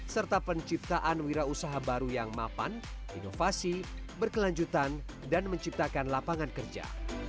serta penciptaan wira usaha baru yang mapan inovasi berkelanjutan dan menciptakan lapangan kerja